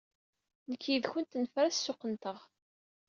Nekk yid-went nefra ssuq-nteɣ.